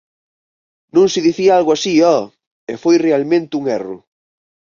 Non se dicía algo así, ho! E foi realmente un erro.